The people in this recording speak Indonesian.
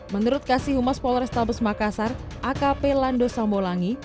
menurut kasihumas polrestabes makassar akp lando sambolangi